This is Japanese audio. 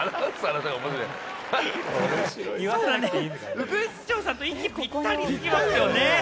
ウグイス嬢さんと息ぴったりですよね。